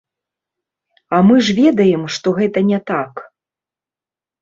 А мы ж, ведаем, што гэта не так!